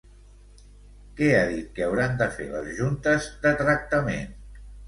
Què ha dit que hauran de fer les juntes de tractament?